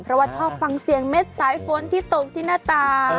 เพราะว่าชอบฟังเสียงเม็ดสายฝนที่ตกที่หน้าตา